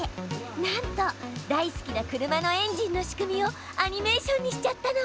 なんと大好きな車のエンジンの仕組みをアニメーションにしちゃったの！